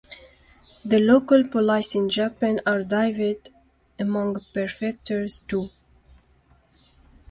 The local police in Japan are divided among prefectures too.